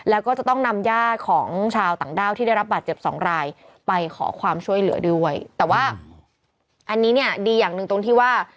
อันนี้เนี่ยดีอย่างหนึ่งตรงที่ว่า